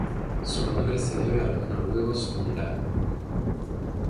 Su nombre se debe a los noruegos Funeral.